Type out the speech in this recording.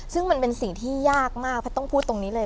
ซึ่งมันเป็นสิ่งที่ยากมากแพทย์ต้องพูดตรงนี้เลย